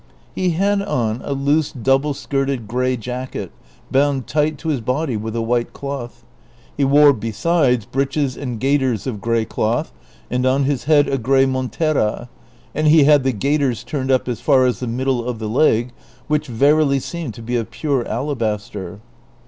He had on a loose double skirted gray jacket bound tight to his body with a white cloth ; he wore besides breeches and gaiters of gray cloth, and on his head a gray montera ;^ and he had the gaiters turned up as far as the middle of the leg, which verily seemed to be of pure alabaster.